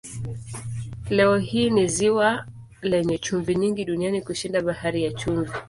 Leo hii ni ziwa lenye chumvi nyingi duniani kushinda Bahari ya Chumvi.